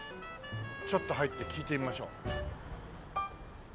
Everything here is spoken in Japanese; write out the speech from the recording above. ちょっと入って聞いてみましょう。